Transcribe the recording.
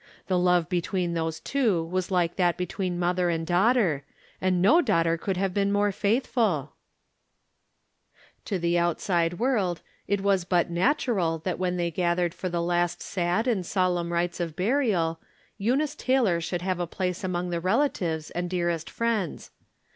The love between those two was like that between mother and daughter, and no daughter could have been more faithful." From Different Standpoints. 291 To tile outside world it was but natural that when they gathered for the last sad and solemn rites of burial, Eunice Taylor should have a place among the relatives and dearest friends.